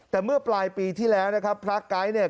แต่เมื่อปลายปีที่แล้วนะครับพระไก๊เนี่ย